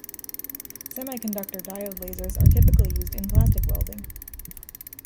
Semiconductor diode lasers are typically used in plastic welding.